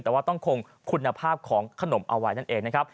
แต่ว่าต้องคงคุณภาพของขนมเอาไว้นั่นเองนะครับ